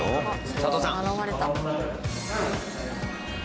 佐藤さん！